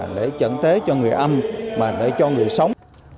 lễ chẩn tế cho người âm mà lễ cho người sống